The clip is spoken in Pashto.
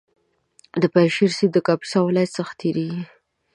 د پنجشېر سیند د کاپیسا ولایت څخه تېرېږي